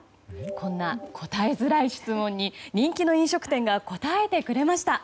こんな答えづらい質問に人気の飲食店が答えてくれました。